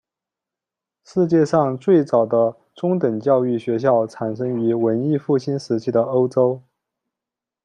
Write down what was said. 世界上最早的中等教育学校产生于文艺复兴时期的欧洲。